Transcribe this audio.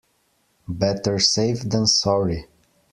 Better safe than sorry.